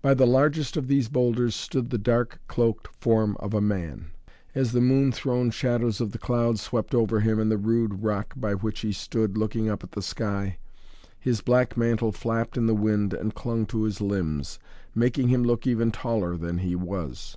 By the largest of these boulders stood the dark cloaked form of a man. As the moon thrown shadows of the clouds swept over him and the rude rock by which he stood looking up at the sky, his black mantle flapped in the wind and clung to his limbs, making him look even taller than he was.